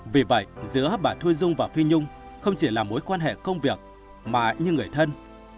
vì vậy giữa bà thuy dung và phi nhung không chỉ là mối quan hệ công việc mà như người thân